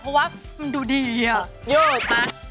เพราะว่ามันดูดีอะ